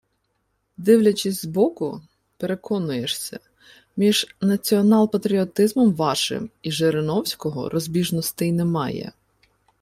Дивлячись збоку, переконуєшся: між націонал-патріотизмом вашим і Жириновського – розбіжностей немає